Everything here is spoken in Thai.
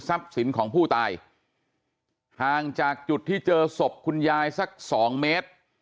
สินของผู้ตายห่างจากจุดที่เจอศพคุณยายสักสองเมตร